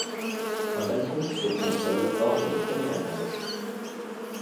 Un balcon sur console orne le premier étage.